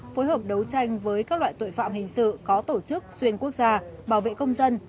phối hợp đấu tranh với các loại tội phạm hình sự có tổ chức xuyên quốc gia bảo vệ công dân